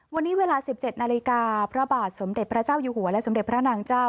วันนี้เวลา๑๗นาฬิกาพระบาทสมเด็จพระเจ้าอยู่หัวและสมเด็จพระนางเจ้า